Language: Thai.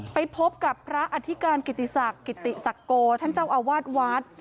ไปพบกับพระอธิการกิติศักดิ์กิติศักโกท่านเจ้าอาวาสวัด